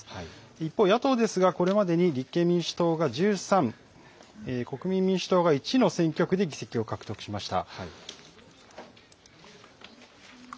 一方、野党ですがこれまでに立憲民主党が１３、国民民主党が１の選挙区で議席を獲得しました。